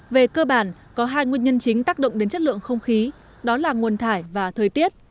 về cơ bản có hai nguyên nhân chính tác động đến chất lượng không khí đó là nguồn thải và thời tiết